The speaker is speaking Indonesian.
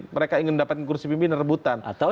mereka ingin mendapatkan kursi pimpinan rebutan